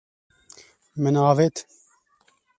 Min avêt.